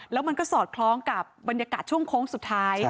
แล้วมันก็สอดคล้องกับบรรยากาศช่วงโค้งสุดท้าย